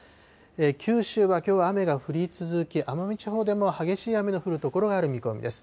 九州はきょうは雨が降り続き、奄美地方でも激しい雨の降る所がある見込みです。